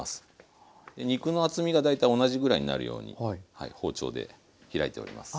肉の厚みが大体同じぐらいになるように包丁で開いております。